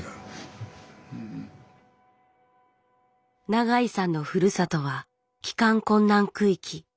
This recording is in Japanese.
永井さんのふるさとは帰還困難区域。